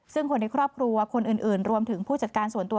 ซึ่งคนในครอบครัวคนอื่นรวมถึงผู้จัดการส่วนตัว